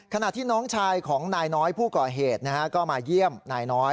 ขณะที่น้องชายของนายน้อยผู้ก่อเหตุก็มาเยี่ยมนายน้อย